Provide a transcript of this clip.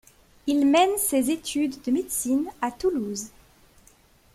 Il mène ses études de médecine à Toulouse.